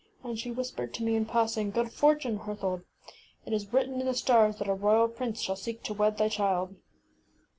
And she whis pered to me in passing, ŌĆśGood fortune, Herthold. It is written in the stars that a royal prince shall seek to wed thy child.